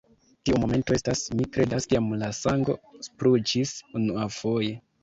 Tiu momento estas, mi kredas, kiam la sango spruĉis unuafoje.